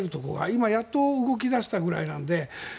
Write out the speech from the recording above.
今やっと動き出したくらいなので。